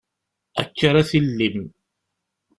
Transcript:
Akka ara tillim.